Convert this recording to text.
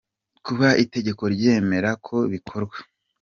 kuba itegeko ryemera ko bikorwa